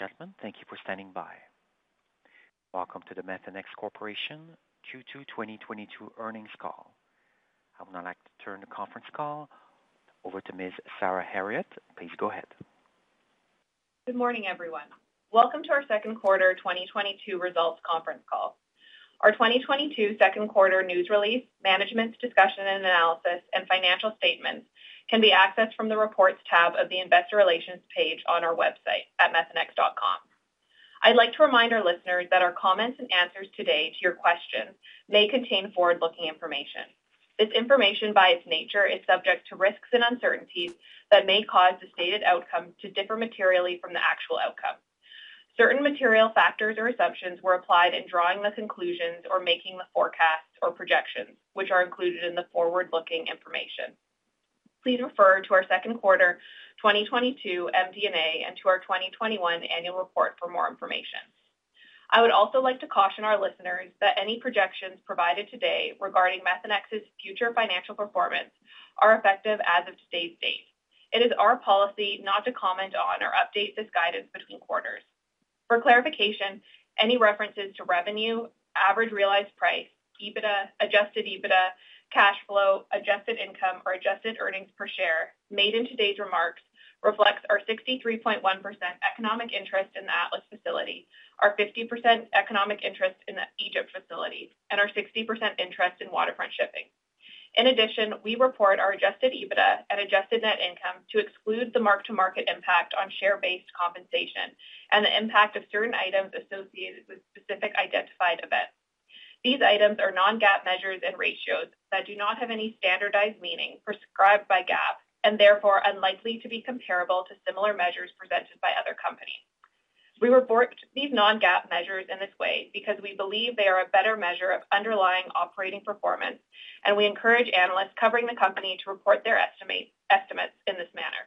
Ladies and gentlemen, thank you for standing by. Welcome to the Methanex Corporation Q2 2022 earnings call. I would now like to turn the conference call over to Ms. Sarah Herriott. Please go ahead. Good morning, everyone. Welcome to our second quarter 2022 results conference call. Our 2022 second quarter news release, Management's Discussion and Analysis, and financial statements can be accessed from the Reports tab of the Investor Relations page on our website at methanex.com. I'd like to remind our listeners that our comments and answers today to your questions may contain forward-looking information. This information, by its nature, is subject to risks and uncertainties that may cause the stated outcome to differ materially from the actual outcome. Certain material factors or assumptions were applied in drawing the conclusions or making the forecasts or projections, which are included in the forward-looking information. Please refer to our second quarter 2022 MD&A and to our 2021 annual report for more information. I would also like to caution our listeners that any projections provided today regarding Methanex's future financial performance are effective as of today's date. It is our policy not to comment on or update this guidance between quarters. For clarification, any references to revenue, average realized price, EBITDA, adjusted EBITDA, cash flow, adjusted income, or adjusted earnings per share made in today's remarks reflects our 63.1% economic interest in the Atlas facility, our 50% economic interest in the Egypt facility, and our 60% interest in Waterfront Shipping. In addition, we report our adjusted EBITDA and adjusted net income to exclude the mark-to-market impact on share-based compensation and the impact of certain items associated with specific identified events. These items are non-GAAP measures and ratios that do not have any standardized meaning prescribed by GAAP and therefore unlikely to be comparable to similar measures presented by other companies. We report these non-GAAP measures in this way because we believe they are a better measure of underlying operating performance, and we encourage analysts covering the company to report their estimates in this manner.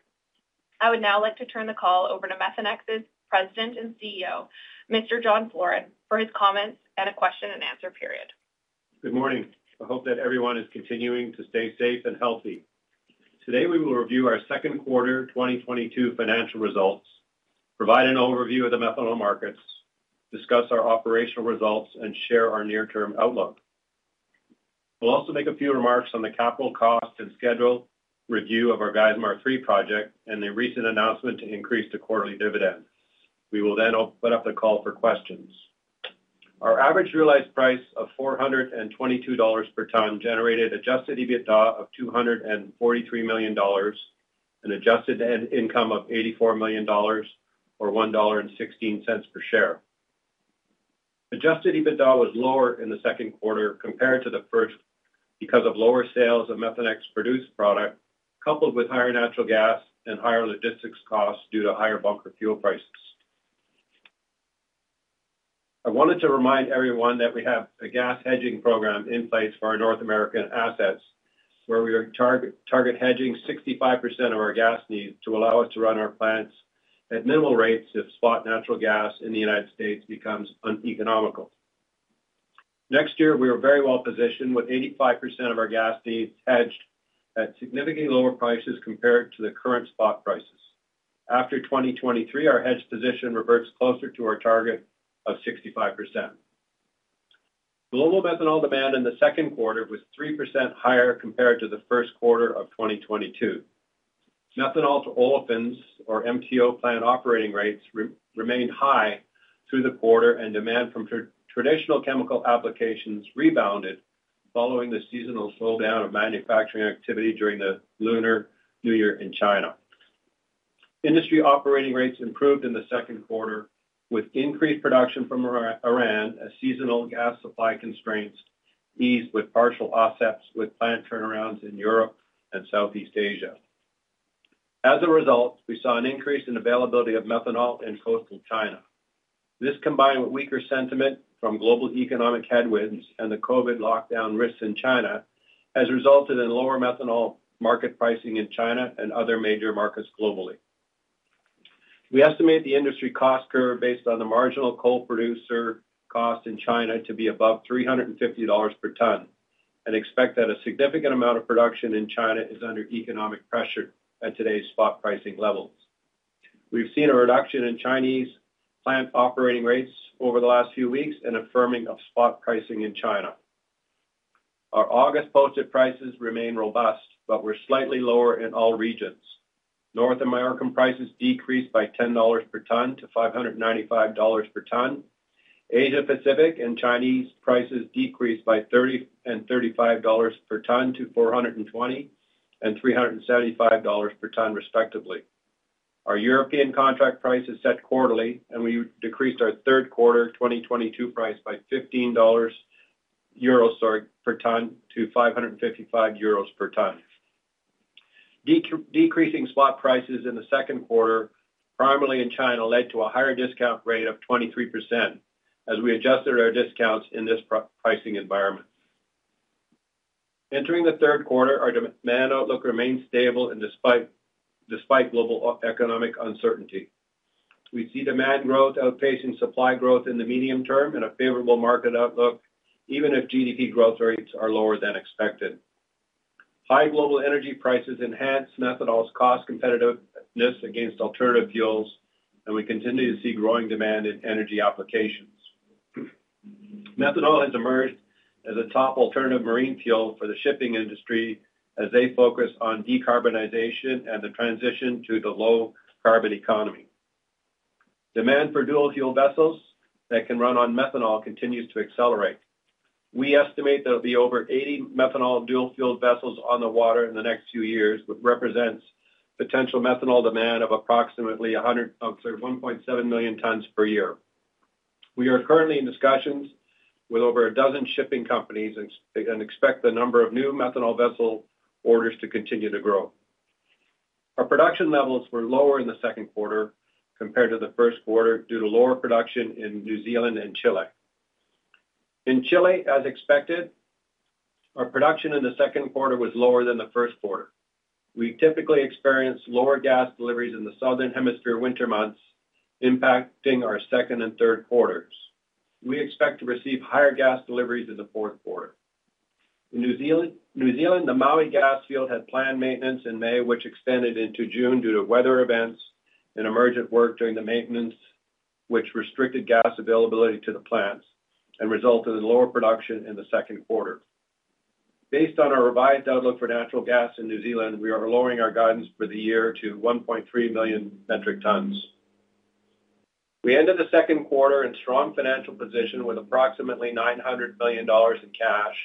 I would now like to turn the call over to Methanex's President and CEO, Mr. John Floren, for his comments and a question and answer period. Good morning. I hope that everyone is continuing to stay safe and healthy. Today, we will review our second quarter 2022 financial results, provide an overview of the methanol markets, discuss our operational results, and share our near-term outlook. We'll also make a few remarks on the capital cost and schedule review of our Geismar 3 project and the recent announcement to increase the quarterly dividend. We will then open up the call for questions. Our average realized price of $422 per ton generated adjusted EBITDA of $243 million and adjusted income of $84 million or $1.16 per share. Adjusted EBITDA was lower in the second quarter compared to the first because of lower sales of Methanex produced product, coupled with higher natural gas and higher logistics costs due to higher bunker fuel prices. I wanted to remind everyone that we have a gas hedging program in place for our North American assets, where we target hedging 65% of our gas needs to allow us to run our plants at minimal rates if spot natural gas in the United States becomes uneconomical. Next year, we are very well positioned with 85% of our gas needs hedged at significantly lower prices compared to the current spot prices. After 2023, our hedge position reverts closer to our target of 65%. Global methanol demand in the second quarter was 3% higher compared to the first quarter of 2022. Methanol to olefins or MTO plant operating rates remained high through the quarter, and demand from traditional chemical applications rebounded following the seasonal slowdown of manufacturing activity during the Lunar New Year in China. Industry operating rates improved in the second quarter with increased production from Iran as seasonal gas supply constraints eased with partial offsets with plant turnarounds in Europe and Southeast Asia. As a result, we saw an increase in availability of methanol in coastal China. This, combined with weaker sentiment from global economic headwinds and the COVID lockdown risks in China, has resulted in lower methanol market pricing in China and other major markets globally. We estimate the industry cost curve based on the marginal coal producer cost in China to be above $350 per ton and expect that a significant amount of production in China is under economic pressure at today's spot pricing levels. We've seen a reduction in Chinese plant operating rates over the last few weeks and a firming of spot pricing in China. Our August posted prices remain robust, but were slightly lower in all regions. North American prices decreased by $10 per ton to $595 per ton. Asia Pacific and Chinese prices decreased by $30 and $35 per ton to $420 and $375 per ton, respectively. Our European contract price is set quarterly, and we decreased our third quarter 2022 price by 15—euros, sorry, per ton to 555 euros per ton. Decreasing spot prices in the second quarter, primarily in China, led to a higher discount rate of 23% as we adjusted our discounts in this pricing environment. Entering the third quarter, our demand outlook remains stable and despite global economic uncertainty. We see demand growth outpacing supply growth in the medium term and a favorable market outlook even if GDP growth rates are lower than expected. High global energy prices enhance methanol's cost competitiveness against alternative fuels, and we continue to see growing demand in energy applications. Methanol has emerged as a top alternative marine fuel for the shipping industry as they focus on decarbonization and the transition to the low carbon economy. Demand for dual fuel vessels that can run on methanol continues to accelerate. We estimate there'll be over 80 methanol dual fuel vessels on the water in the next few years, which represents potential methanol demand of approximately 1.7 million tons per year. We are currently in discussions with over a dozen shipping companies and expect the number of new methanol vessel orders to continue to grow. Our production levels were lower in the second quarter compared to the first quarter due to lower production in New Zealand and Chile. In Chile, as expected, our production in the second quarter was lower than the first quarter. We typically experience lower gas deliveries in the Southern Hemisphere winter months, impacting our second and third quarters. We expect to receive higher gas deliveries in the fourth quarter. In New Zealand, the Maui Gas Field had planned maintenance in May, which extended into June due to weather events and emergent work during the maintenance, which restricted gas availability to the plants and resulted in lower production in the second quarter. Based on our revised outlook for natural gas in New Zealand, we are lowering our guidance for the year to 1.3 million metric tons. We ended the second quarter in strong financial position with approximately $900 million in cash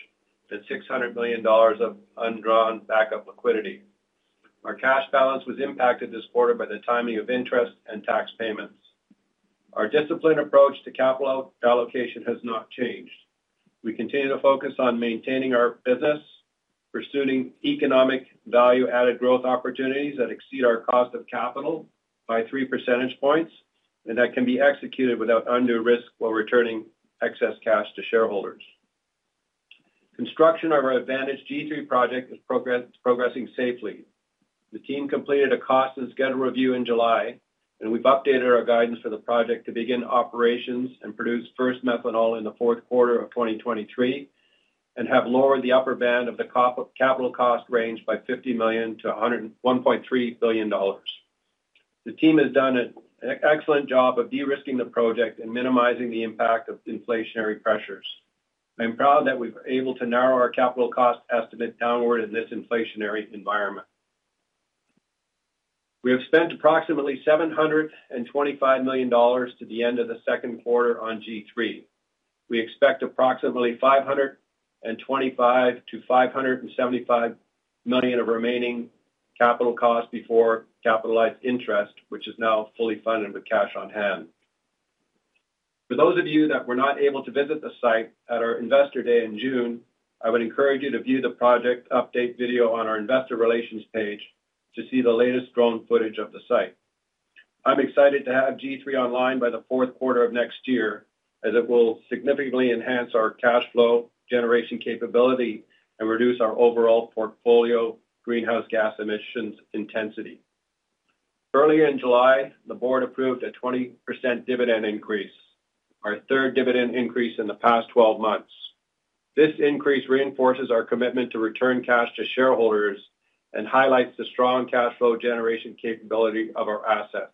and $600 million of undrawn backup liquidity. Our cash balance was impacted this quarter by the timing of interest and tax payments. Our disciplined approach to capital allocation has not changed. We continue to focus on maintaining our business, pursuing economic value-added growth opportunities that exceed our cost of capital by 3 percentage points, and that can be executed without undue risk while returning excess cash to shareholders. Construction of our Geismar 3 project is progressing safely. The team completed a cost and schedule review in July, and we've updated our guidance for the project to begin operations and produce first methanol in the fourth quarter of 2023, and have lowered the upper band of the capital cost range by $50 million to $1.3 billion. The team has done an excellent job of de-risking the project and minimizing the impact of inflationary pressures. I'm proud that we've able to narrow our capital cost estimate downward in this inflationary environment. We have spent approximately $725 million to the end of the second quarter on G3. We expect approximately $525 million-$575 million of remaining capital costs before capitalized interest, which is now fully funded with cash on hand. For those of you that were not able to visit the site at our Investor Day in June, I would encourage you to view the project update video on our investor relations page to see the latest drone footage of the site. I'm excited to have G3 online by the fourth quarter of next year, as it will significantly enhance our cash flow generation capability and reduce our overall portfolio greenhouse gas emissions intensity. Early in July, the board approved a 20% dividend increase, our third dividend increase in the past 12 months. This increase reinforces our commitment to return cash to shareholders and highlights the strong cash flow generation capability of our assets.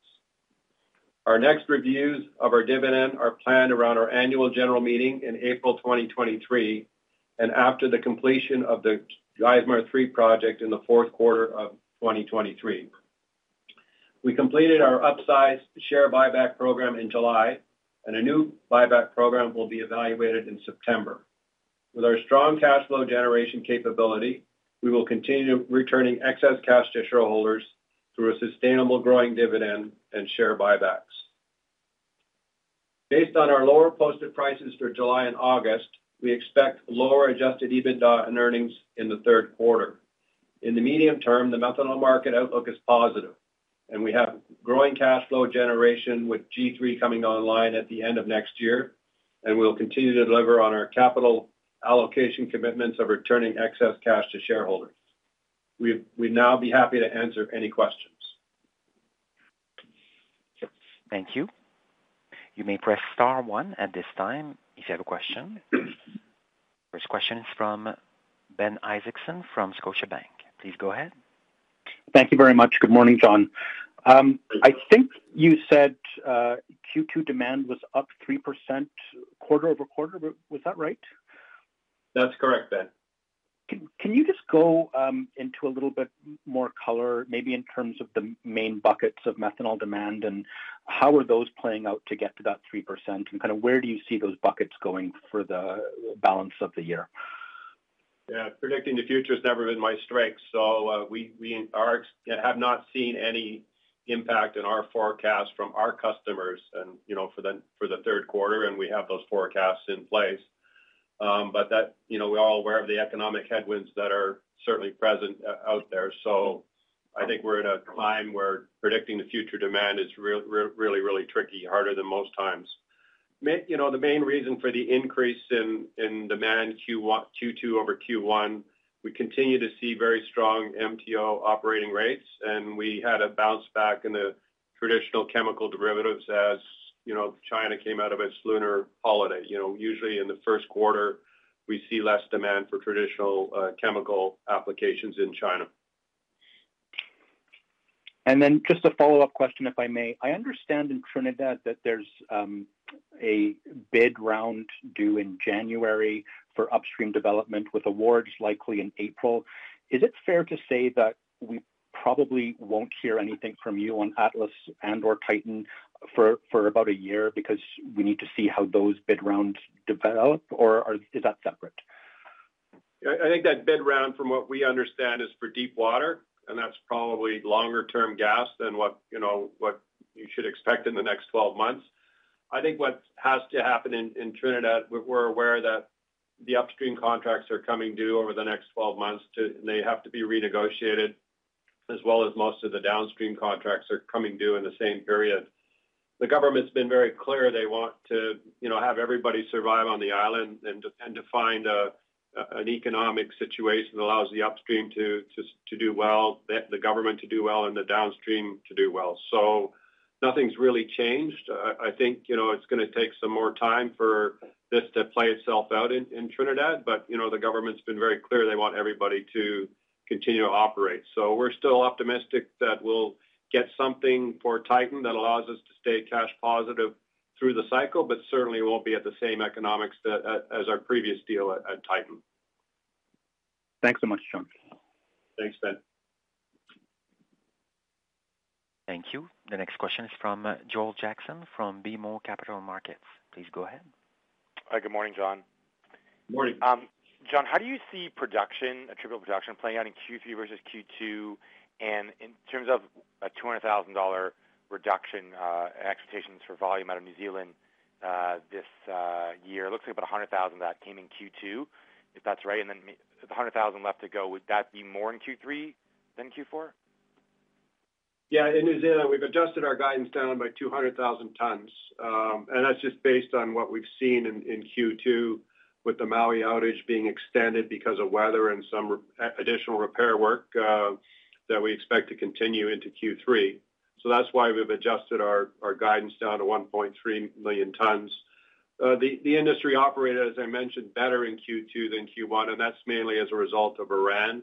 Our next reviews of our dividend are planned around our annual general meeting in April 2023 and after the completion of the Geismar 3 project in the fourth quarter of 2023. We completed our upsized share buyback program in July, and a new buyback program will be evaluated in September. With our strong cash flow generation capability, we will continue returning excess cash to shareholders through a sustainable growing dividend and share buybacks. Based on our lower posted prices for July and August, we expect lower adjusted EBITDA and earnings in the third quarter. In the medium term, the methanol market outlook is positive, and we have growing cash flow generation, with G3 coming online at the end of next year, and we'll continue to deliver on our capital allocation commitments of returning excess cash to shareholders. We'd now be happy to answer any questions. Thank you. You may press star one at this time if you have a question. First question is from Ben Isaacson from Scotiabank. Please go ahead. Thank you very much. Good morning, John. I think you said, Q2 demand was up 3% quarter-over-quarter. Was that right? That's correct, Ben. Can you just go into a little bit more color, maybe in terms of the main buckets of methanol demand, and how are those playing out to get to that 3%, and kind of where do you see those buckets going for the balance of the year? Yeah. Predicting the future has never been my strength. We have not seen any impact in our forecast from our customers and, you know, for the third quarter, and we have those forecasts in place. You know, we're all aware of the economic headwinds that are certainly present out there. I think we're at a time where predicting the future demand is really tricky, harder than most times. You know, the main reason for the increase in demand Q2 over Q1, we continue to see very strong MTO operating rates, and we had a bounce back in the traditional chemical derivatives as, you know, China came out of its lunar holiday. You know, usually in the first quarter, we see less demand for traditional chemical applications in China. Then just a follow-up question, if I may. I understand in Trinidad that there's a bid round due in January for upstream development with awards likely in April. Is it fair to say that we probably won't hear anything from you on Atlas and/or Titan for about a year because we need to see how those bid rounds develop? Is that separate? I think that bid round, from what we understand, is for deep water, and that's probably longer-term gas than what, you know, you should expect in the next 12 months. I think what has to happen in Trinidad. We're aware that the upstream contracts are coming due over the next 12 months. They have to be renegotiated, as well as most of the downstream contracts are coming due in the same period. The government's been very clear they want to, you know, have everybody survive on the island and to find an economic situation that allows the upstream to do well, the government to do well and the downstream to do well. Nothing's really changed. I think, you know, it's gonna take some more time for this to play itself out in Trinidad. You know, the government's been very clear they want everybody to continue to operate. We're still optimistic that we'll get something for Titan that allows us to stay cash positive through the cycle, but certainly won't be at the same economics that as our previous deal at Titan. Thanks so much, John. Thanks, Ben. Thank you. The next question is from Joel Jackson from BMO Capital Markets. Please go ahead. Hi, good morning, John. Morning. John, how do you see production, attributable production playing out in Q3 versus Q2? In terms of a $200,000 reduction, expectations for volume out of New Zealand, this year. Looks like about 100,000 that came in Q2, if that's right, and then the 100,000 left to go, would that be more in Q3 than Q4? Yeah. In New Zealand, we've adjusted our guidance down by 200,000 tons. That's just based on what we've seen in Q2 with the Maui outage being extended because of weather and some additional repair work that we expect to continue into Q3. That's why we've adjusted our guidance down to 1.3 million tons. The industry operator, as I mentioned, better in Q2 than Q1, and that's mainly as a result of Iran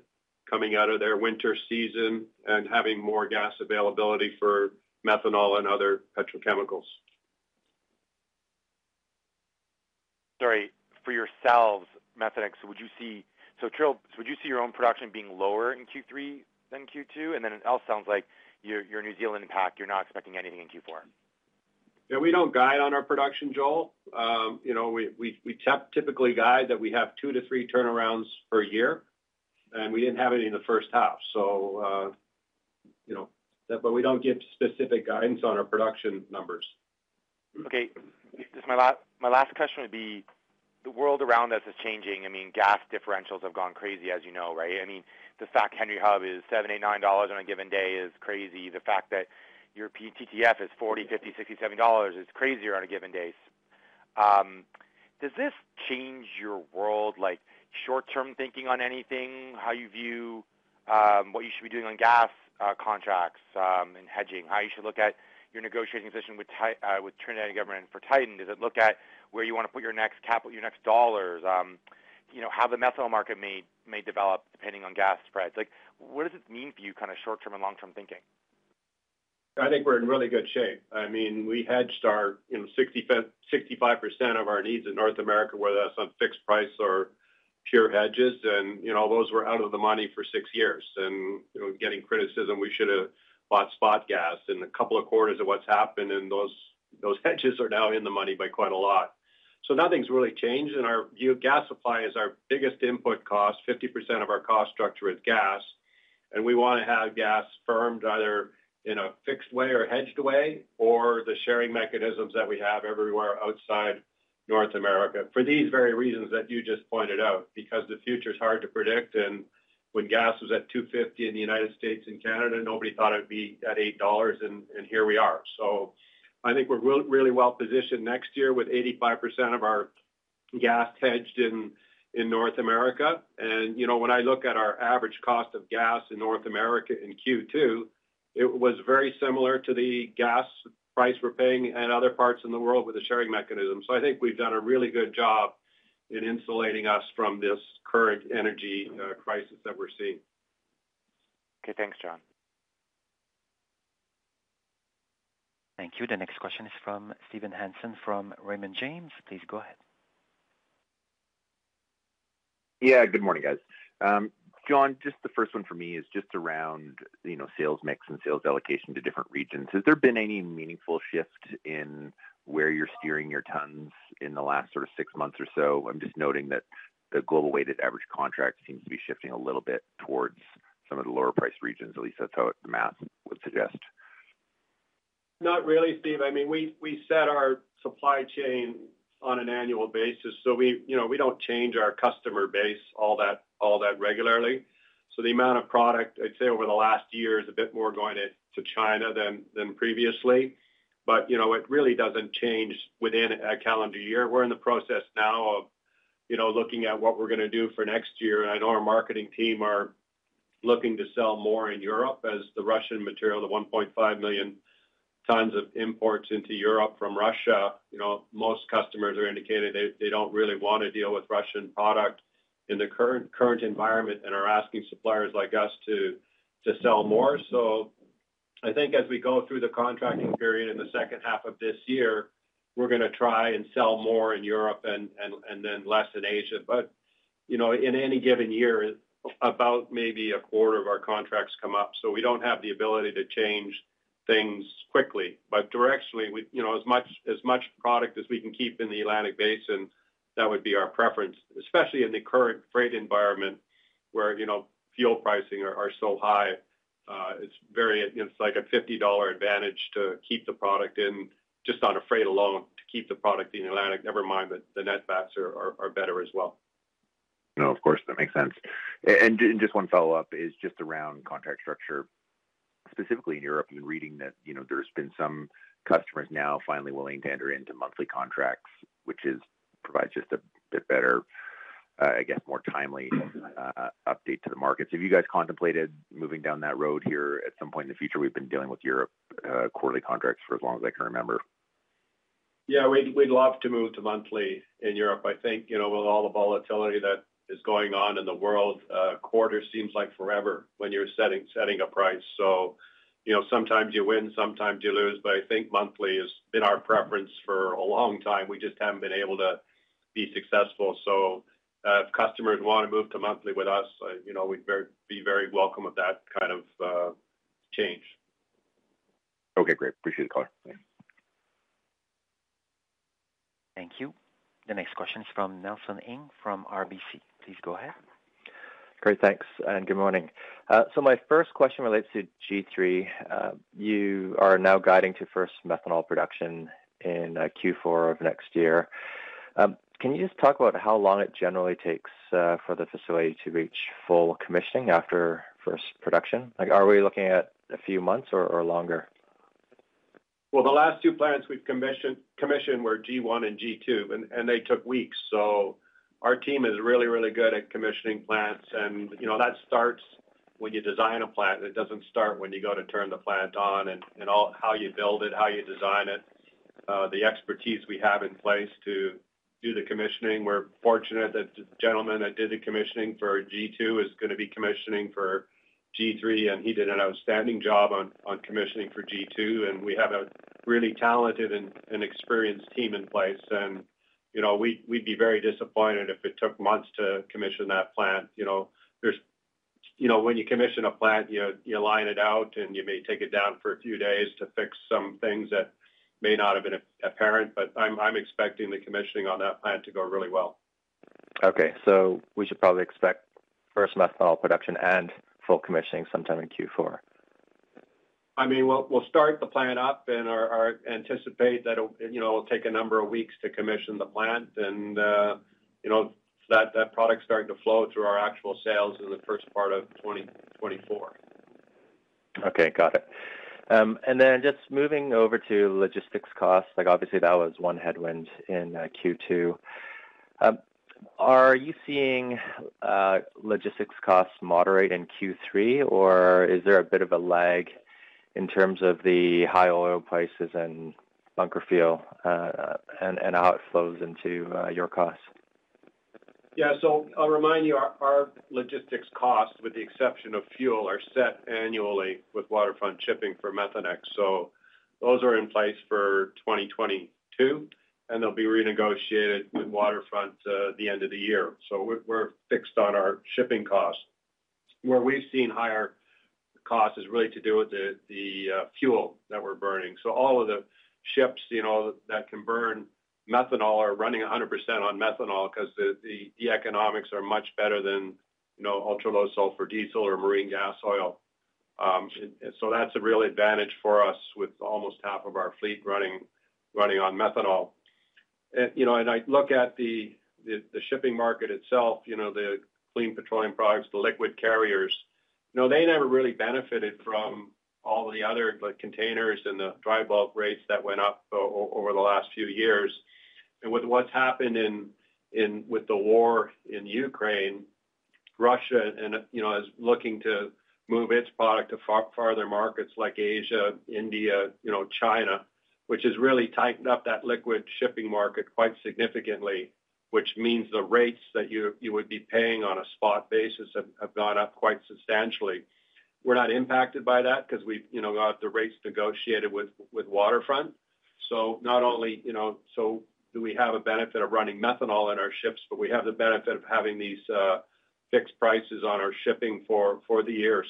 coming out of their winter season and having more gas availability for methanol and other petrochemicals. Sorry, for yourselves, Methanex. Joel, would you see your own production being lower in Q3 than Q2? It also sounds like your New Zealand impact, you're not expecting anything in Q4. Yeah, we don't guide on our production, Joel. You know, we typically guide that we have two to three turnarounds per year, and we didn't have any in the first half. You know. We don't give specific guidance on our production numbers. Okay. Just my last question would be, the world around us is changing. I mean, gas differentials have gone crazy as you know, right? I mean, the fact Henry Hub is $7, $8, $9 on a given day is crazy. The fact that European TTF is $40, $50, $60, $70 is crazier on a given day. Does this change your world, like short-term thinking on anything, how you view what you should be doing on gas contracts and hedging? How you should look at your negotiating position with Trinidad government for Titan? Does it look at where you wanna put your next capital, your next dollars? You know, how the methanol market may develop depending on gas spreads? Like, what does it mean for you kinda short-term and long-term thinking? I think we're in really good shape. I mean, we hedged our, you know, 65% of our needs in North America, whether that's on fixed price or pure hedges. You know, those were out of the money for six years. You know, getting criticism, we should have bought spot gas. In a couple of quarters of what's happened and those hedges are now in the money by quite a lot. Nothing's really changed. In our view, gas supply is our biggest input cost. 50% of our cost structure is gas, and we wanna have gas firmed either in a fixed way or hedged way, or the sharing mechanisms that we have everywhere outside North America for these very reasons that you just pointed out. Because the future is hard to predict, and when gas was at $2.50 in the United States and Canada, nobody thought it would be at $8, and here we are. I think we're really well positioned next year with 85% of our gas hedged in North America. You know, when I look at our average cost of gas in North America in Q2, it was very similar to the gas price we're paying in other parts in the world with the sharing mechanism. I think we've done a really good job in insulating us from this current energy crisis that we're seeing. Okay. Thanks, John. Thank you. The next question is from Steve Hansen from Raymond James. Please go ahead. Yeah. Good morning, guys. John, just the first one for me is just around, you know, sales mix and sales allocation to different regions. Has there been any meaningful shift in where you're steering your tons in the last sort of six months or so? I'm just noting that the global weighted average contract seems to be shifting a little bit towards some of the lower priced regions, at least that's how the math would suggest. Not really, Steve. I mean, we set our supply chain on an annual basis, so we, you know, we don't change our customer base all that regularly. So the amount of product, I'd say, over the last year is a bit more going to China than previously. You know, it really doesn't change within a calendar year. We're in the process now of. You know, looking at what we're gonna do for next year. I know our marketing team are looking to sell more in Europe as the Russian material, the 1.5 million tons of imports into Europe from Russia. You know, most customers are indicating they don't really wanna deal with Russian product in the current environment and are asking suppliers like us to sell more. I think as we go through the contracting period in the second half of this year, we're gonna try and sell more in Europe and then less in Asia. You know, in any given year, about maybe a quarter of our contracts come up. We don't have the ability to change things quickly. Directionally, you know, as much product as we can keep in the Atlantic basin, that would be our preference, especially in the current freight environment where you know, fuel prices are so high. It's like a $50 advantage to keep the product in, just on a freight alone, to keep the product in Atlantic. Never mind the net backs are better as well. No, of course, that makes sense. Just one follow-up is just around contract structure, specifically in Europe. I've been reading that, there's been some customers now finally willing to enter into monthly contracts, which provides just a bit better, I guess, more timely update to the markets. Have you guys contemplated moving down that road here at some point in the future? We've been dealing with Europe quarterly contracts for as long as I can remember. Yeah. We'd love to move to monthly in Europe. I think, you know, with all the volatility that is going on in the world, quarter seems like forever when you're setting a price. You know, sometimes you win, sometimes you lose, but I think monthly has been our preference for a long time. We just haven't been able to be successful. If customers wanna move to monthly with us, you know, we'd be very welcome of that kind of change. Okay, great. Appreciate the call. Thanks. Thank you. The next question is from Nelson Ng from RBC. Please go ahead. Great. Thanks, and good morning. My first question relates to G3. You are now guiding to first methanol production in Q4 of next year. Can you just talk about how long it generally takes for the facility to reach full commissioning after first production? Like, are we looking at a few months or longer? Well, the last two plants we've commissioned were G1 and G2, and they took weeks. Our team is really good at commissioning plants. You know, that starts when you design a plant. It doesn't start when you go to turn the plant on. How you build it, how you design it, the expertise we have in place to do the commissioning. We're fortunate that the gentleman that did the commissioning for G2 is gonna be commissioning for G3, and he did an outstanding job on commissioning for G2. We have a really talented and experienced team in place. You know, we'd be very disappointed if it took months to commission that plant. You know, when you commission a plant, you know, you line it out, and you may take it down for a few days to fix some things that may not have been apparent, but I'm expecting the commissioning on that plant to go really well. We should probably expect first methanol production and full commissioning sometime in Q4. I mean, we'll start the plant up and anticipate that it'll, you know, it'll take a number of weeks to commission the plant. You know, that product's starting to flow through our actual sales in the first part of 2024. Okay. Got it. Just moving over to logistics costs, like, obviously, that was one headwind in Q2. Are you seeing logistics costs moderate in Q3, or is there a bit of a lag in terms of the high oil prices and bunker fuel, and how it flows into your costs? Yeah. I'll remind you, our logistics costs, with the exception of fuel, are set annually with Waterfront Shipping for Methanex. Those are in place for 2022, and they'll be renegotiated with Waterfront the end of the year. We're fixed on our shipping costs. Where we've seen higher costs is really to do with the fuel that we're burning. All of the ships, you know, that can burn methanol are running 100% on methanol 'cause the economics are much better than, you know, ultra-low sulfur diesel or marine gas oil. That's a real advantage for us with almost half of our fleet running on methanol. You know, and I look at the shipping market itself, you know, the clean petroleum products, the liquid carriers, you know, they never really benefited from all the other, like, containers and the dry bulk rates that went up over the last few years. With what's happened with the war in Ukraine, Russia and you know is looking to move its product to farther markets like Asia, India, you know, China, which has really tightened up that liquid shipping market quite significantly. Which means the rates that you would be paying on a spot basis have gone up quite substantially. We're not impacted by that 'cause we've you know got the rates negotiated with Waterfront. Not only, you know, do we have a benefit of running methanol in our ships, but we have the benefit of having these fixed prices on our shipping for the year.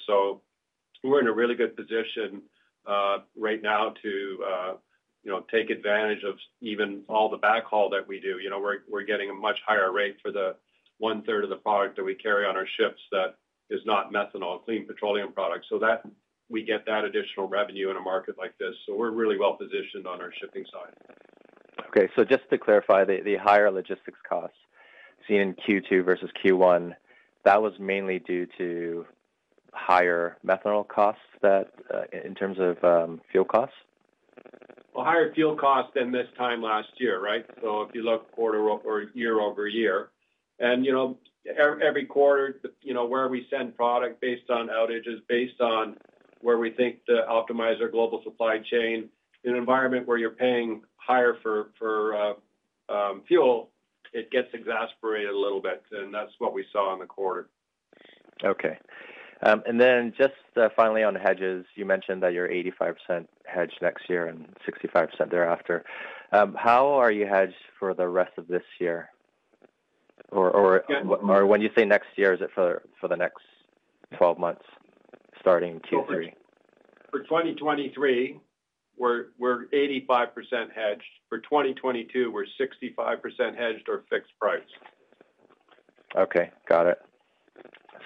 We're in a really good position right now to, you know, take advantage of even all the backhaul that we do. You know, we're getting a much higher rate for the 1/3 of the product that we carry on our ships that is not methanol, clean petroleum products, so that we get that additional revenue in a market like this. We're really well-positioned on our shipping side. Okay. Just to clarify, the higher logistics costs seen in Q2 versus Q1, that was mainly due to higher methanol costs that, in terms of, fuel costs? Well, higher fuel costs than this time last year, right? If you look quarter-over or year-over-year, and, you know, every quarter, you know, where we send product based on outages, based on where we think to optimize our global supply chain, in an environment where you're paying higher for fuel, it gets exacerbated a little bit. That's what we saw in the quarter. Okay. Then just finally on hedges, you mentioned that you're 85% hedged next year and 65% thereafter. How are you hedged for the rest of this year? Yeah. When you say next year, is it for the next 12 months starting Q3? For 2023, we're 85% hedged. For 2022, we're 65% hedged or fixed price. Okay. Got it.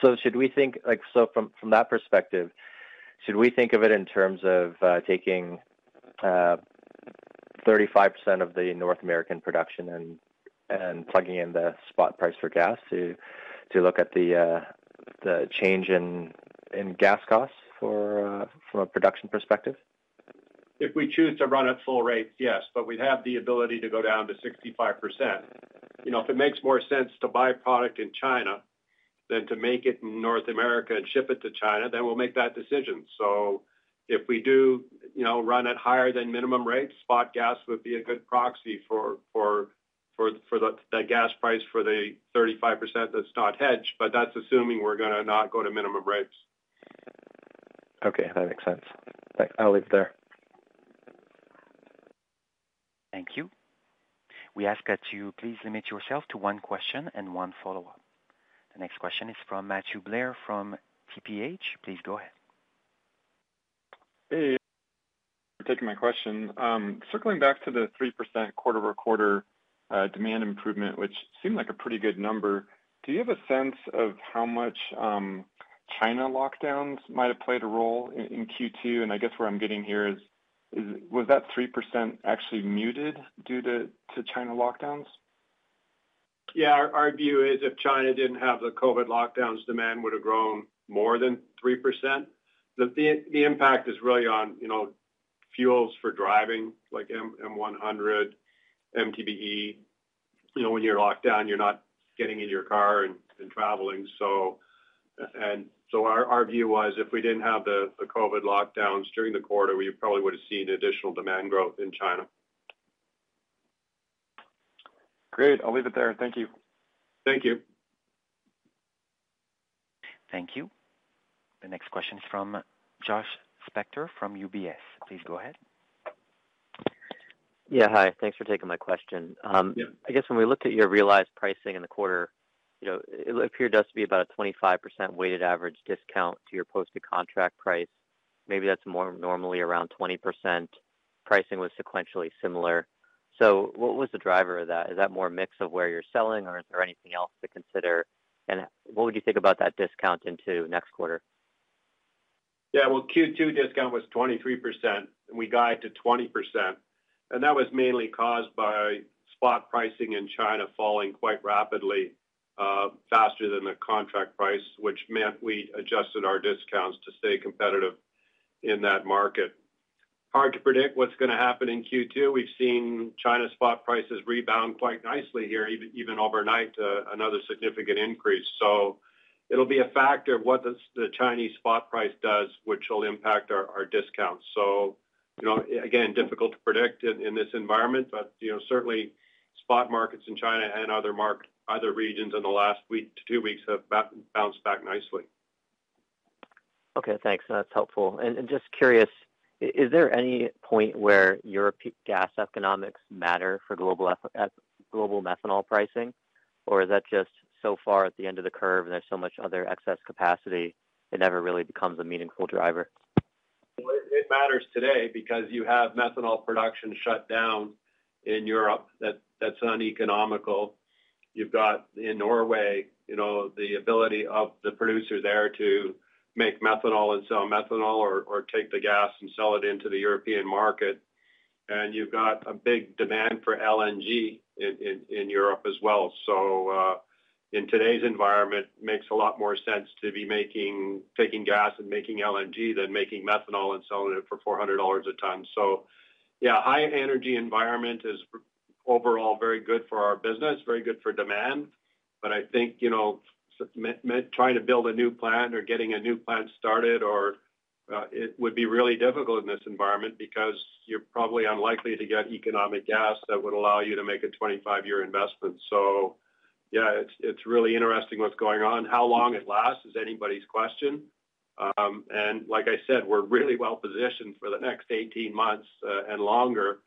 From that perspective, should we think of it in terms of taking 35 percent of the North American production and plugging in the spot price for gas to look at the change in gas costs from a production perspective? If we choose to run at full rates, yes. We have the ability to go down to 65%. You know, if it makes more sense to buy product in China than to make it in North America and ship it to China, then we'll make that decision. If we do, you know, run at higher than minimum rates, spot gas would be a good proxy for the gas price for the 35% that's not hedged, but that's assuming we're gonna not go to minimum rates. Okay, that makes sense. I'll leave it there. Thank you. We ask that you please limit yourself to one question and one follow-up. The next question is from Matthew Blair from TPH & Co. Please go ahead. Thanks for taking my question. Circling back to the 3% quarter-over-quarter demand improvement, which seemed like a pretty good number, do you have a sense of how much China lockdowns might have played a role in Q2? I guess where I'm getting here is, was that 3% actually muted due to China lockdowns? Yeah. Our view is if China didn't have the COVID lockdowns, demand would have grown more than 3%. The impact is really on, you know, fuels for driving like M100, MTBE. You know, when you're locked down, you're not getting in your car and traveling. Our view was if we didn't have the COVID lockdowns during the quarter, we probably would have seen additional demand growth in China. Great. I'll leave it there. Thank you. Thank you. Thank you. The next question is from Joshua Spector from UBS. Please go ahead. Yeah. Hi. Thanks for taking my question. Yeah. I guess when we looked at your realized pricing in the quarter, you know, it appeared to us to be about a 25% weighted average discount to your posted contract price. Maybe that's more normally around 20%. Pricing was sequentially similar. What was the driver of that? Is that more mix of where you're selling, or is there anything else to consider? What would you think about that discount into next quarter? Yeah. Well, Q2 discount was 23%, and we guide to 20%. That was mainly caused by spot pricing in China falling quite rapidly, faster than the contract price, which meant we adjusted our discounts to stay competitive in that market. Hard to predict what's gonna happen in Q2. We've seen China spot prices rebound quite nicely here, even overnight, another significant increase. It'll be a factor of what the Chinese spot price does, which will impact our discounts. You know, again, difficult to predict in this environment. You know, certainly spot markets in China and other regions in the last week to two weeks have bounced back nicely. Okay, thanks. That's helpful. Just curious, is there any point where European gas economics matter for global methanol pricing? Or is that just so far at the end of the curve, and there's so much other excess capacity it never really becomes a meaningful driver? Well, it matters today because you have methanol production shut down in Europe that's uneconomical. You've got in Norway, you know, the ability of the producer there to make methanol and sell methanol or take the gas and sell it into the European market. You've got a big demand for LNG in Europe as well. In today's environment, makes a lot more sense to be taking gas and making LNG than making methanol and selling it for $400 a ton. Yeah, high energy environment is overall very good for our business, very good for demand. I think, you know, trying to build a new plant or getting a new plant started or it would be really difficult in this environment because you're probably unlikely to get economic gas that would allow you to make a 25-year investment. Yeah, it's really interesting what's going on. How long it lasts is anybody's question. Like I said, we're really well positioned for the next 18 months and longer,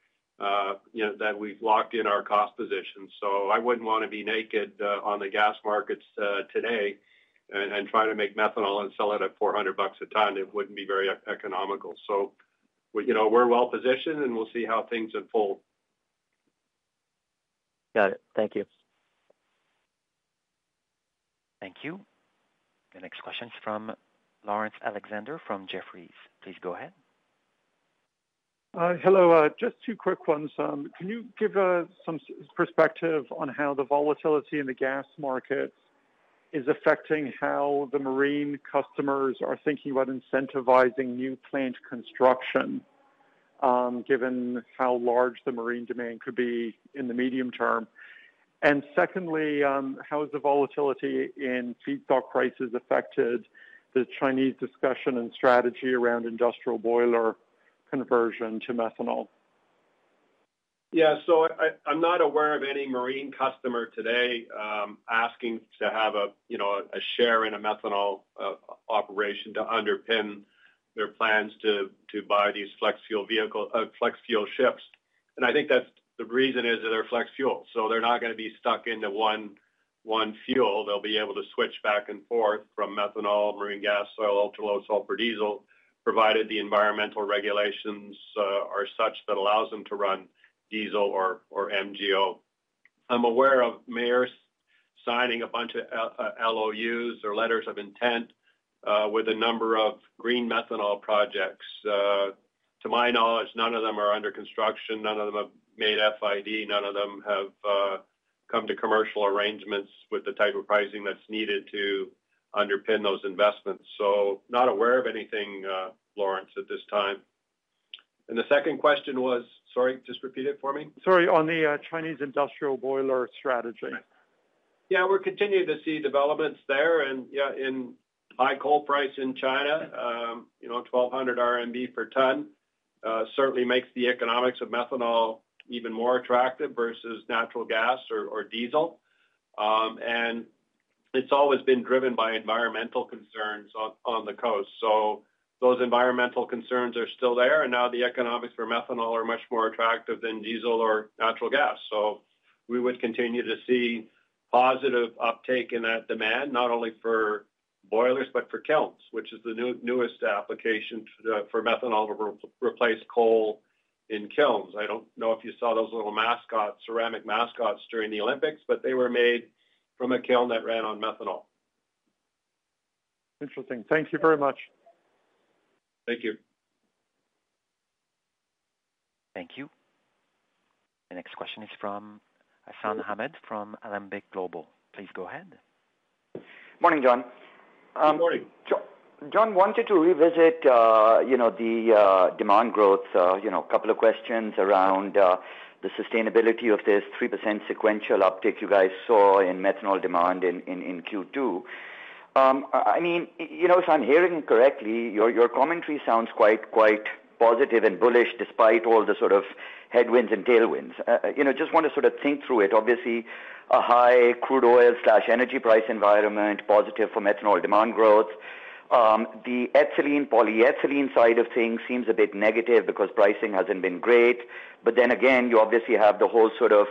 you know, that we've locked in our cost position. I wouldn't wanna be naked on the gas markets today and try to make methanol and sell it at $400 a ton. It wouldn't be very economical. You know, we're well positioned, and we'll see how things unfold. Got it. Thank you. Thank you. The next question is from Laurence Alexander from Jefferies. Please go ahead. Hi. Hello. Just two quick ones. Can you give some perspective on how the volatility in the gas markets? Is affecting how the marine customers are thinking about incentivizing new plant construction, given how large the marine demand could be in the medium term. Secondly, how has the volatility in feedstock prices affected the Chinese discussion and strategy around industrial boiler conversion to methanol? I'm not aware of any marine customer today asking to have a, you know, a share in a methanol operation to underpin their plans to buy these flex fuel ships. I think that's the reason is that they're flex fuel, so they're not gonna be stuck into one fuel. They'll be able to switch back and forth from methanol, marine gas oil, ultra-low sulfur diesel, provided the environmental regulations are such that allows them to run diesel or MGO. I'm aware of Maersk signing a bunch of LOIs or letters of intent with a number of green methanol projects. To my knowledge, none of them are under construction, none of them have made FID. None of them have come to commercial arrangements with the type of pricing that's needed to underpin those investments. Not aware of anything, Laurence, at this time. The second question was? Sorry, just repeat it for me. Sorry. On the Chinese industrial boiler strategy. Yeah, we're continuing to see developments there. Yeah, with high coal prices in China, you know, 1,200 RMB per ton, certainly makes the economics of methanol even more attractive versus natural gas or diesel. It's always been driven by environmental concerns on the coast. Those environmental concerns are still there. Now the economics for methanol are much more attractive than diesel or natural gas. We would continue to see positive uptake in that demand, not only for boilers, but for kilns, which is the newest application for methanol to replace coal in kilns. I don't know if you saw those little mascots, ceramic mascots during the Olympics, but they were made in a kiln that ran on methanol. Interesting. Thank you very much. Thank you. Thank you. The next question is from Hassan Ahmed from Alembic Global. Please go ahead. Morning, John. Morning. John, wanted to revisit, you know, the demand growth, you know, a couple of questions around the sustainability of this 3% sequential uptick you guys saw in methanol demand in Q2. I mean, you know, if I'm hearing correctly, your commentary sounds quite positive and bullish despite all the sort of headwinds and tailwinds. You know, just wanna sort of think through it. Obviously, a high crude oil/energy price environment, positive for methanol demand growth. The ethylene, polyethylene side of things seems a bit negative because pricing hasn't been great. Again, you obviously have the whole sort of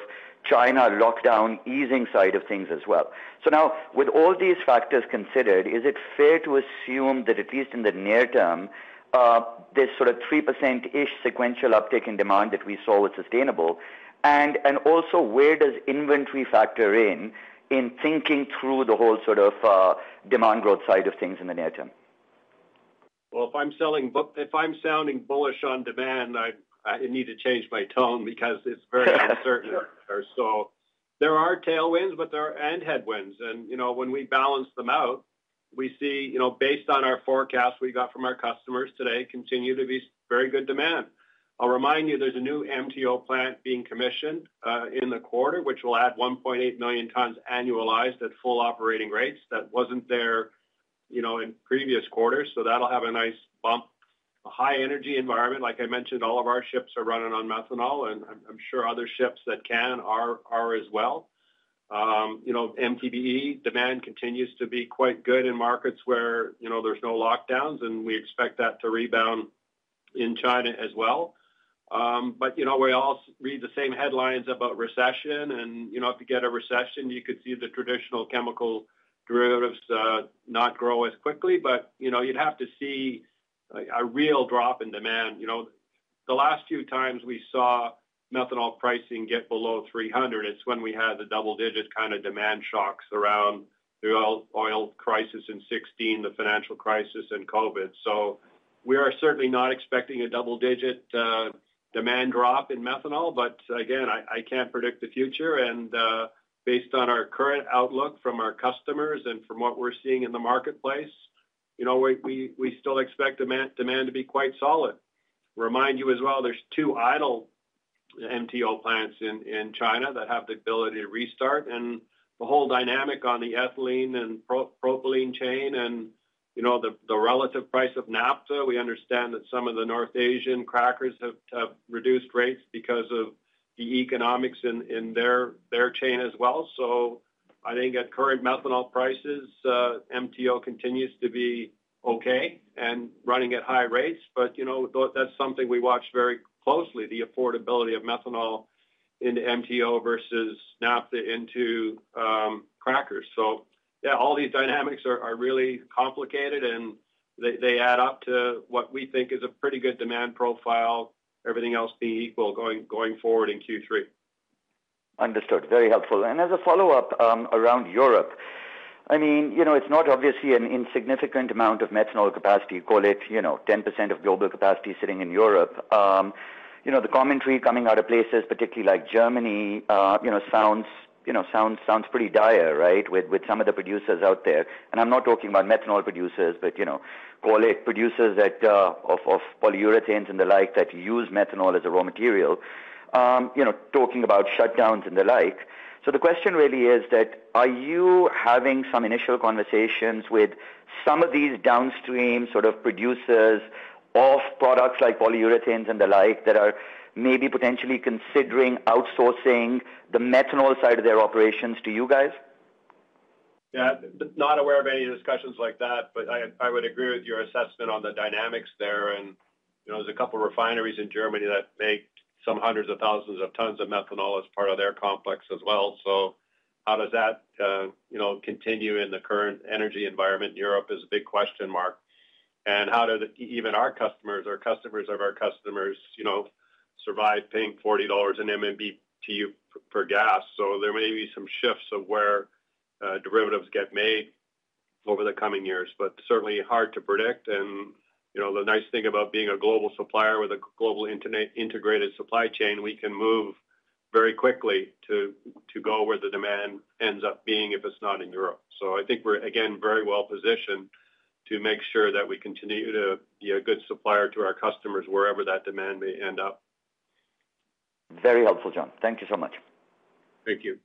China lockdown easing side of things as well. Now with all these factors considered, is it fair to assume that at least in the near term, this sort of 3%-ish sequential uptick in demand that we saw was sustainable? Also, where does inventory factor in thinking through the whole sort of demand growth side of things in the near term? Well, if I'm sounding bullish on demand, I need to change my tone because it's very uncertain. There are tailwinds, but there are headwinds. You know, when we balance them out, we see, you know, based on our forecast we got from our customers today, continue to be very good demand. I'll remind you, there's a new MTO plant being commissioned in the quarter, which will add 1.8 million tons annualized at full operating rates that wasn't there, you know, in previous quarters. That'll have a nice bump. A high energy environment, like I mentioned, all of our ships are running on methanol, and I'm sure other ships that can are as well. You know, MTBE demand continues to be quite good in markets where, you know, there's no lockdowns, and we expect that to rebound in China as well. You know, we all read the same headlines about recession and, you know, if you get a recession, you could see the traditional chemical derivatives not grow as quickly. You know, you'd have to see a real drop in demand. You know, the last few times we saw methanol pricing get below $300, it's when we had the double-digit kinda demand shocks around the oil crisis in 2016, the financial crisis and COVID. We are certainly not expecting a double-digit demand drop in methanol. Again, I can't predict the future. Based on our current outlook from our customers and from what we're seeing in the marketplace, you know, we still expect demand to be quite solid. Remind you as well, there's two idle MTO plants in China that have the ability to restart. The whole dynamic on the ethylene and propylene chain and, you know, the relative price of naphtha. We understand that some of the North Asian crackers have reduced rates because of the economics in their chain as well. I think at current methanol prices, MTO continues to be okay and running at high rates. You know, that's something we watch very closely, the affordability of methanol into MTO versus naphtha into crackers. Yeah, all these dynamics are really complicated, and they add up to what we think is a pretty good demand profile, everything else being equal going forward in Q3. Understood. Very helpful. As a follow-up, around Europe, I mean, you know, it's not obviously an insignificant amount of methanol capacity. Call it, you know, 10% of global capacity sitting in Europe. You know, the commentary coming out of places particularly like Germany, you know, sounds pretty dire, right, with some of the producers out there. I'm not talking about methanol producers, but you know, call it producers that of polyurethanes and the like that use methanol as a raw material, you know, talking about shutdowns and the like. The question really is, are you having some initial conversations with some of these downstream sort of producers of products like polyurethanes and the like that are maybe potentially considering outsourcing the methanol side of their operations to you guys? Yeah. Not aware of any discussions like that, but I would agree with your assessment on the dynamics there. You know, there's a couple refineries in Germany that make some hundreds of thousands of tons of methanol as part of their complex as well. How does that, you know, continue in the current energy environment in Europe is a big question mark. How do even our customers or customers of our customers, you know, survive paying $40 in MMBTU per gas? There may be some shifts of where, derivatives get made over the coming years, but certainly hard to predict. You know, the nice thing about being a global supplier with a global integrated supply chain, we can move very quickly to go where the demand ends up being, if it's not in Europe. I think we're, again, very well positioned to make sure that we continue to be a good supplier to our customers wherever that demand may end up. Very helpful, John. Thank you so much. Thank you.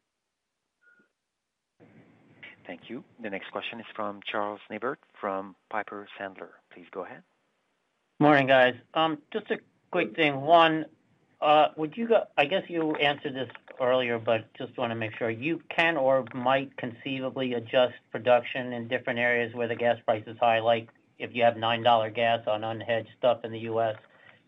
Thank you. The next question is from Charles Neivert from Piper Sandler. Please go ahead. Morning, guys. Just a quick thing. One, I guess you answered this earlier, but just wanna make sure. You can or might conceivably adjust production in different areas where the gas price is high. Like, if you have $9 gas on unhedged stuff in the U.S.,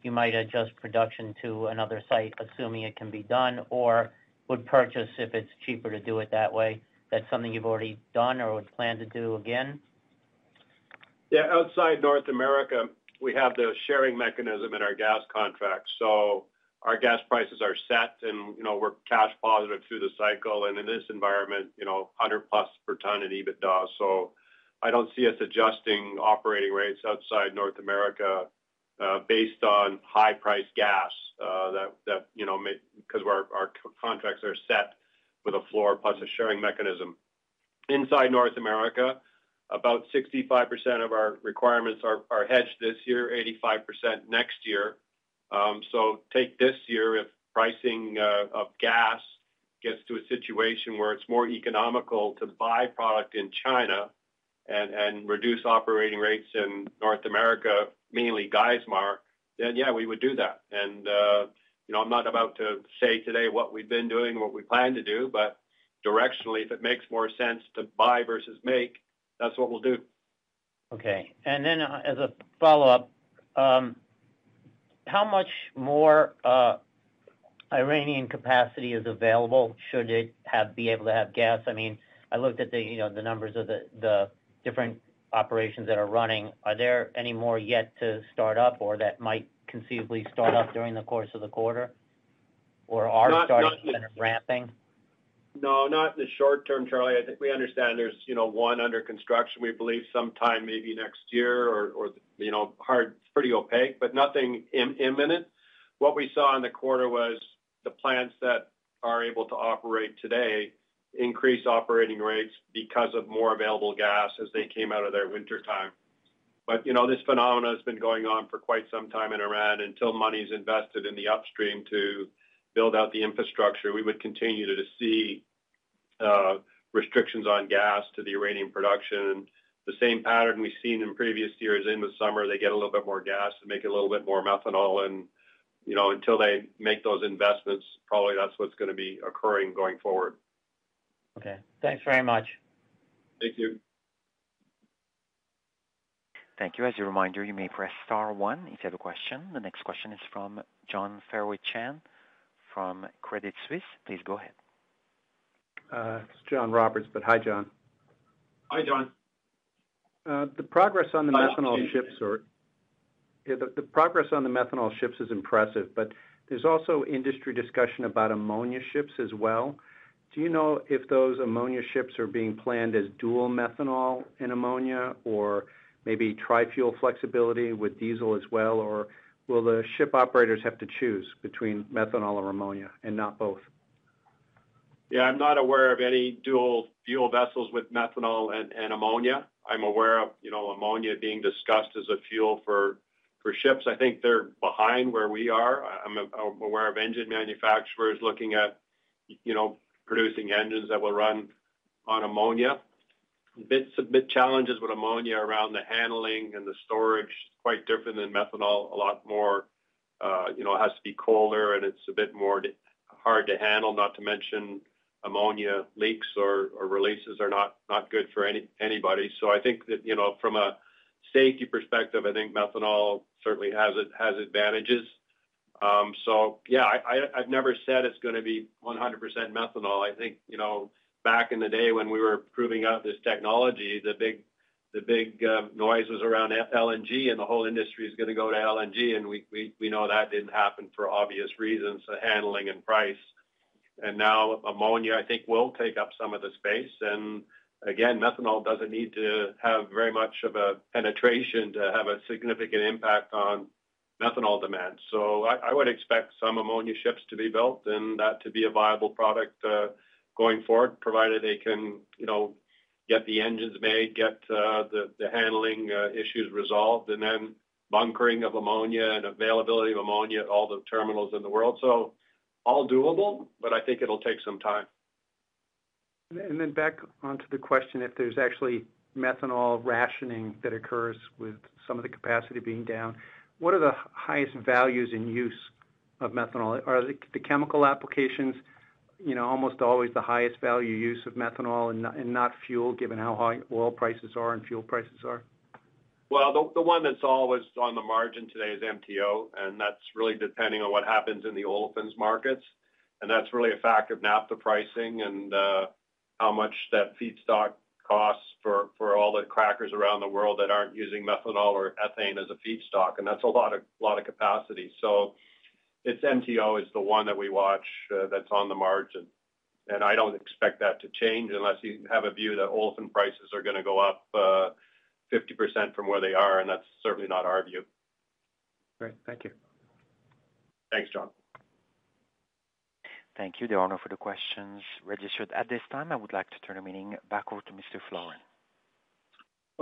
you might adjust production to another site, assuming it can be done, or would purchase if it's cheaper to do it that way. That's something you've already done or would plan to do again? Yeah. Outside North America, we have the sharing mechanism in our gas contracts. Our gas prices are set and, you know, we're cash positive through the cycle. In this environment, you know, 100+ per ton in EBITDA. I don't see us adjusting operating rates outside North America based on high price gas that, you know, 'cause our contracts are set with a floor plus a sharing mechanism. Inside North America, about 65% of our requirements are hedged this year, 85% next year. Take this year, if pricing of gas gets to a situation where it's more economical to buy product in China and reduce operating rates in North America, mainly Geismar, then yeah, we would do that. You know, I'm not about to say today what we've been doing and what we plan to do, but directionally, if it makes more sense to buy versus make, that's what we'll do. Okay. As a follow-up, how much more Iranian capacity is available should it be able to have gas? I mean, I looked at, you know, the numbers of the different operations that are running. Are there any more yet to start up or that might conceivably start up during the course of the quarter or are starting and ramping? No, not in the short term, Charles. I think we understand there's, you know, one under construction, we believe sometime maybe next year or, you know, it's pretty opaque, but nothing imminent. What we saw in the quarter was the plants that are able to operate today increase operating rates because of more available gas as they came out of their wintertime. You know, this phenomena has been going on for quite some time in Iran. Until money is invested in the upstream to build out the infrastructure, we would continue to see restrictions on gas to the Iranian production. The same pattern we've seen in previous years. In the summer, they get a little bit more gas to make a little bit more methanol and, you know, until they make those investments, probably that's what's gonna be occurring going forward. Okay. Thanks very much. Thank you. Thank you. As a reminder, you may press star one if you have a question. The next question is from John Roberts from UBS. Please go ahead. It's John Roberts, but hi, John. Hi, John. The progress on the methanol ships. Hi, John. Yeah, the progress on the methanol ships is impressive, but there's also industry discussion about ammonia ships as well. Do you know if those ammonia ships are being planned as dual methanol and ammonia or maybe tri-fuel flexibility with diesel as well? Will the ship operators have to choose between methanol or ammonia and not both? Yeah. I'm not aware of any dual fuel vessels with methanol and ammonia. I'm aware of ammonia being discussed as a fuel for ships. I think they're behind where we are. I'm aware of engine manufacturers looking at producing engines that will run on ammonia. But some challenges with ammonia around the handling and the storage. It's quite different than methanol, a lot more, it has to be colder and it's a bit more hard to handle, not to mention ammonia leaks or releases are not good for anybody. I think that, from a safety perspective, I think methanol certainly has advantages. Yeah, I've never said it's gonna be 100% methanol. I think, you know, back in the day when we were proving out this technology, the big noise was around FLNG, and the whole industry is gonna go to LNG. We know that didn't happen for obvious reasons, the handling and price. Now ammonia, I think will take up some of the space. Again, methanol doesn't need to have very much of a penetration to have a significant impact on methanol demand. I would expect some ammonia ships to be built and that to be a viable product going forward, provided they can, you know, get the engines made, get the handling issues resolved, and then bunkering of ammonia and availability of ammonia at all the terminals in the world. All doable, but I think it'll take some time. Back onto the question, if there's actually methanol rationing that occurs with some of the capacity being down, what are the highest values in use of methanol? Are the chemical applications, you know, almost always the highest value use of methanol and not fuel, given how high oil prices are and fuel prices are? Well, the one that's always on the margin today is MTO, and that's really depending on what happens in the olefins markets. That's really a fact of naphtha pricing and how much that feedstock costs for all the crackers around the world that aren't using methanol or ethane as a feedstock, and that's a lot of capacity. It's MTO, the one that we watch, that's on the margin. I don't expect that to change unless you have a view that olefin prices are gonna go up 50% from where they are, and that's certainly not our view. Great. Thank you. Thanks, John. Thank you. There are no further questions registered at this time. I would like to turn the meeting back over to Mr. John Floren.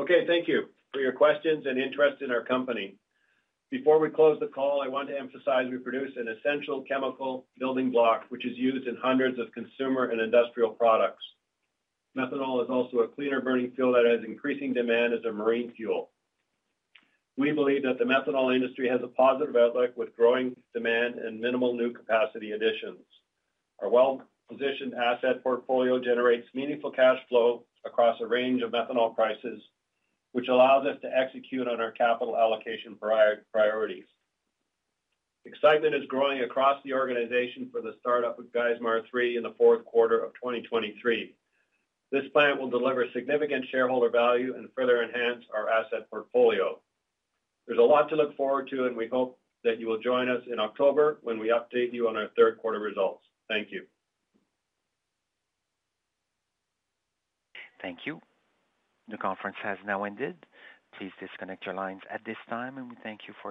Okay, thank you for your questions and interest in our company. Before we close the call, I want to emphasize we produce an essential chemical building block, which is used in hundreds of consumer and industrial products. Methanol is also a cleaner burning fuel that has increasing demand as a marine fuel. We believe that the methanol industry has a positive outlook with growing demand and minimal new capacity additions. Our well-positioned asset portfolio generates meaningful cash flow across a range of methanol prices, which allows us to execute on our capital allocation priorities. Excitement is growing across the organization for the startup of Geismar 3 in the fourth quarter of 2023. This plant will deliver significant shareholder value and further enhance our asset portfolio. There's a lot to look forward to, and we hope that you will join us in October when we update you on our third quarter results. Thank you. Thank you. The conference has now ended. Please disconnect your lines at this time, and we thank you for your participation.